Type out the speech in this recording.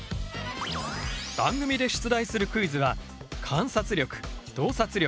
番組で出題するクイズは観察力洞察力